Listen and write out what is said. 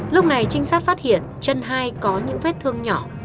lúc này trinh sát phát hiện chân hai có những vết thương nhỏ